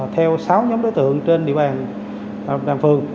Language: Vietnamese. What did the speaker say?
theo sáu nhóm đối tượng trên địa bàn phường